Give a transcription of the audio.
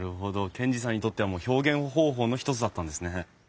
賢治さんにとってはもう表現方法の一つだったんですね。